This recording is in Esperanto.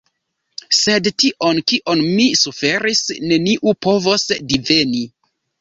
Sed tion, kion mi suferis, neniu povos diveni.